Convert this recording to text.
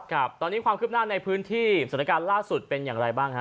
ครับตอนนี้ความคืบหน้าในพื้นที่สถานการณ์ล่าสุดเป็นอย่างไรบ้างฮะ